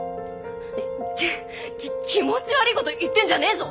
気持ち悪いこと言ってんじゃねえぞ。